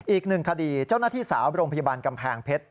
อีกหนึ่งคดีเจ้าหน้าที่สาวโรงพยาบาลกำแพงเพชร